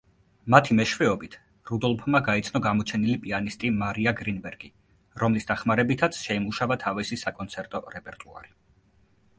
მათი მეშვეობით, რუდოლფმა გაიცნო გამოჩენილი პიანისტი მარია გრინბერგი, რომლის დახმარებითაც შეიმუშავა თავისი საკონცერტო რეპერტუარი.